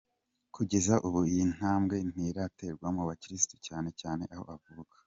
Kugeza ubu iyi ntambwe ntiraterwa mu bakirisitu cyane cyane aho avuka.